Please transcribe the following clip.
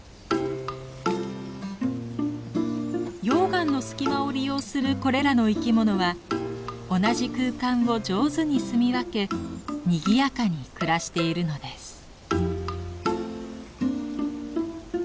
溶岩の隙間を利用するこれらの生き物は同じ空間を上手にすみ分けにぎやかに暮らしているのです。